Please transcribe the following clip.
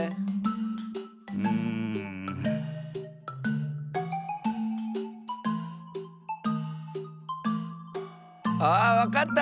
うん。あっわかった！